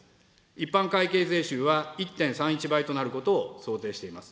一般会計税収は１．３１倍となることを想定しています。